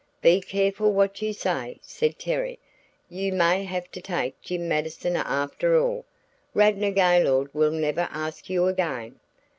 "Be careful what you say," said Terry. "You may have to take Jim Mattison after all. Radnor Gaylord will never ask you again."